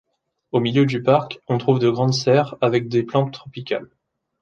Au milieu du parc, on trouve de grandes serres, avec des plantes tropicales.